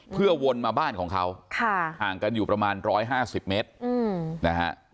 เพื่อวนมาบ้านของเขาห่างกันอยู่ประมาณ๑๕๐เมตรนะฮะ